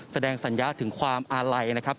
แสดงสัญญาถึงความอาลัยนะครับ